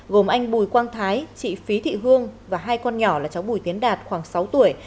gồm anh bùi quang thái chị phí thị hương và hai con nhỏ là cháu bùi tiến đạt khoảng sáu tuổi